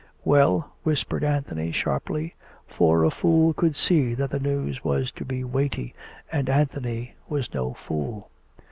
"Well.''" whispered Anthony sharply (for a fool could see that the news was to be weighty, and Anthony was no fool).